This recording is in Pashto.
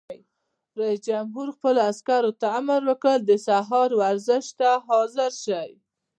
رئیس جمهور خپلو عسکرو ته امر وکړ؛ د سهار ورزش ته حاضر شئ!